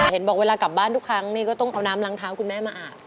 เห็นบอกเวลากลับบ้านทุกครั้งนี่ก็ต้องเอาน้ำล้างเท้าคุณแม่มาอาบ